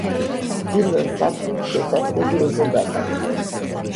პირველ სართულს შესასვლელი ეზოდან აქვს.